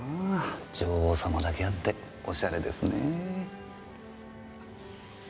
女王様だけあっておしゃれですね。